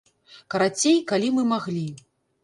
Карацей, калі мы маглі.